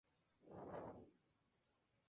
Posee una planta rectangular y dos pisos.